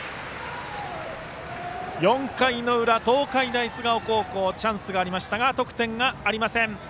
４回裏、東海大菅生高校チャンスがありましたが得点はありません。